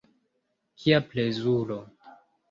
Kia plezuro.